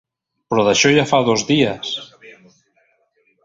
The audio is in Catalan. Però d'això ja fa dos dies!